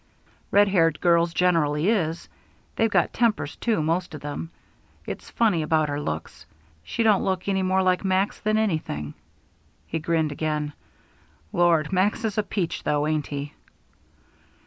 "Red haired girls generally is. They've got tempers, too, most of them. It's funny about her looks. She don't look any more like Max than anything." He grinned again. "Lord, Max is a peach, though, ain't he."